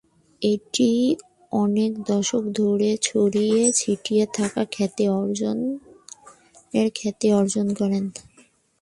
এটি অনেক দশক ধরে ছড়িয়ে ছিটিয়ে থাকা খ্যাতি অর্জনের খ্যাতি অর্জন করে।